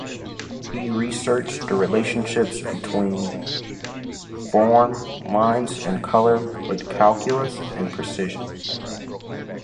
He researched the relationships between form, lines and color with calculus and precision.